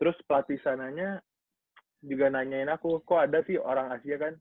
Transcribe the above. terus pelatih sananya juga nanyain aku kok ada sih orang asia kan